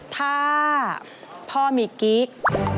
ถ้าพ่อมีกิ๊ก